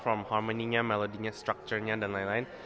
from harmoninya melodinya structure nya dan lain lain